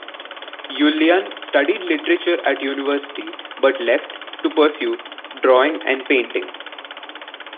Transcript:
Jullian studied literature at university but left to pursue drawing and painting.